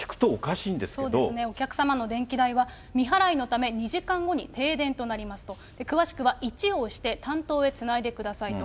そうですね、お客様の電気代は未払いのため２時間後に停電となりますと、詳しくは１を押して、担当へつないでくださいと。